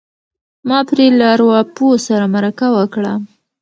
ما پرې له ارواپوه سره مرکه وکړه.